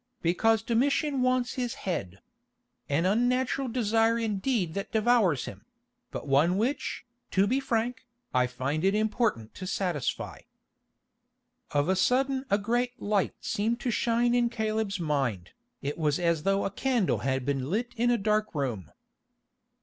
"Because Domitian wants his head. An unnatural desire indeed that devours him; still one which, to be frank, I find it important to satisfy." Of a sudden a great light seemed to shine in Caleb's mind, it was as though a candle had been lit in a dark room.